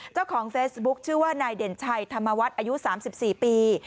เจ้าของเฟซบุ๊คชื่อว่านายเด่นชัยธรรมวัฒน์อายุ๓๔ปี